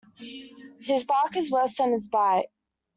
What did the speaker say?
His bark is worse than his bite.